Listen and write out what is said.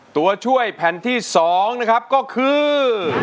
ตัวช่วยแผ่นที่๒นะครับก็คือ